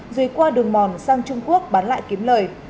rồi qua đường mòn sang trung quốc bán lại kiếm lời